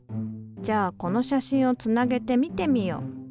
じゃあこの写真をつなげて見てみよう。